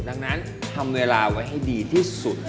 ดังนั้นทำเวลาไว้ให้ดีที่สุด